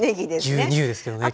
牛乳ですけどね今日は。